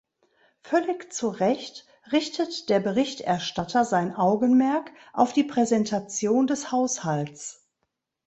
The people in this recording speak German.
Völlig zu Recht richtet der Berichterstatter sein Augenmerk auf die Präsentation des Haushalts.